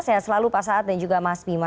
saya selalu pak saad dan juga mas bima